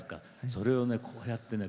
それを、こうやってね